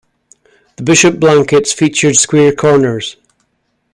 The Bishop blankets featured square corners.